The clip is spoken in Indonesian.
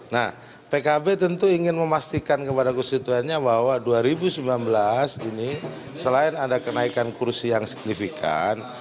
nah pkb tentu ingin memastikan kepada konstituennya bahwa dua ribu sembilan belas ini selain ada kenaikan kursi yang signifikan